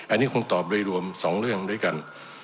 อันนี้คงตอบโดยรวม๒เรื่องด้วยกัน